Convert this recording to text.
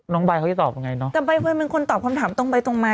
ใบเขาจะตอบยังไงเนาะแต่ใบเป็นคนตอบคำถามตรงไปตรงมา